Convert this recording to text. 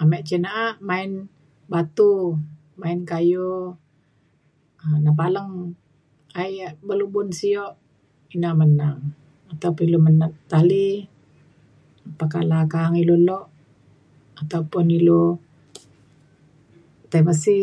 Ame cin na’a main batu main kayu um nebaleng aek ya belubun sio ina menang ataupun ilu menat tali pekala ka’ang ilu lok ataupun ilu tai besi.